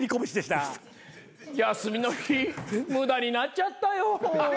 休みの日無駄になっちゃったよ。